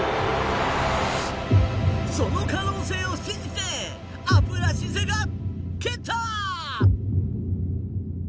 その可能性を信じてアプラシゼが、蹴った！